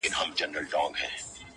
شعار خو نه لرم له باده سره شپې نه كوم’